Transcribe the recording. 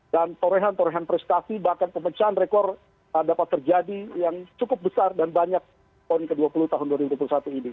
dan torehan torehan prestasi bahkan pemecahan rekor dapat terjadi yang cukup besar dan banyak pon ke dua puluh tahun dua ribu dua puluh satu ini